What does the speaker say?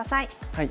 はい。